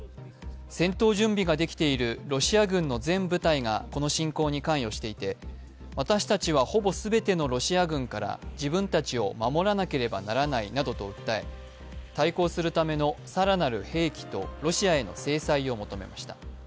戦闘準備ができているロシア軍の全部隊がこの侵攻に関与していて、私たちはほぼ全てのロシア軍から自分たちを守らなければならないなどと訴え対抗するための更なる兵器とロシアへの制裁を求めました。